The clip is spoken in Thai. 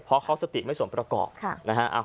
เพราะเขาสติไม่สมประกอบนะฮะ